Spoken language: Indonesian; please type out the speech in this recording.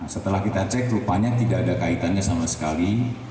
setelah kita cek rupanya tidak ada kaitannya sama sekali